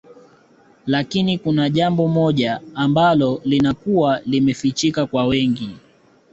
Lakini kuna jambo moja ambalo linakuwa limefichika kwa wengi